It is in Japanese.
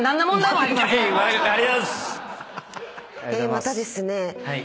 またですね